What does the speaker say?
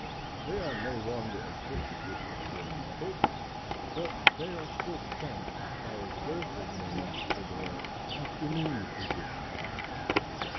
They are no longer afflicted with a shortage of paper, but they are still cramped by a dearth of names for their afternoon editions.